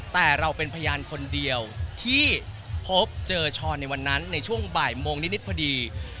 แต่เราเป็นพยานคนเดียวที่พบเจอช้อนในวันนั้นในช่วงบ่ายโมงนิดพอดี